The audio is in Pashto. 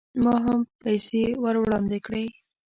ما هم پیسې ور وړاندې کړې.